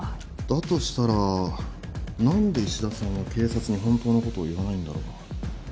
だとしたら何で石田さんは警察に本当のことを言わないんだろう？